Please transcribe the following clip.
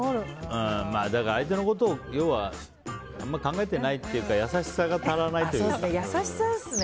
相手のことを要は、考えていないというか優しさが足らないというか。